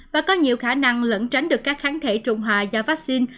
và có nhiều khả năng lẫn tránh được các kháng thể trùng hạ do vaccine